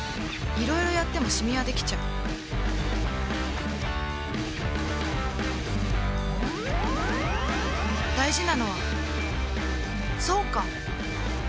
いろいろやってもシミはできちゃう大事なのはそうか！